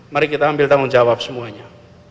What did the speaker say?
mari kita ambil tanggung jawab semuanya